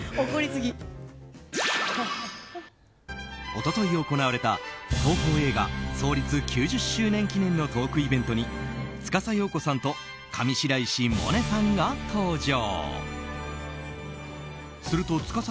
一昨日行われた東宝映画創立９０周年記念のトークイベントに、司葉子さんと上白石萌音さんが登場。